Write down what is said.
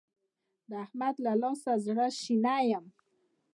د احمد له لاسه زړه شنی يم.